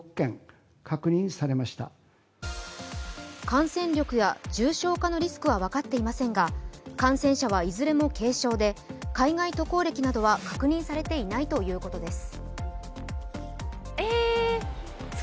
感染力や重症化のリスクは分かっていませんが感染者はいずれも軽症で海外渡航歴などは確認されていないということです。